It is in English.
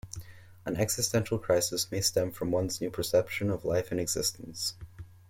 An existential crisis may stem from one's new perception of life and existence.